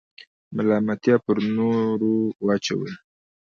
ملامتیا پر نورو وراچوئ.